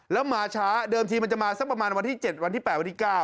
แล้วมาช้าเดิมทีมันจะมาสักประมาณวันที่๗วันที่๘วันที่๙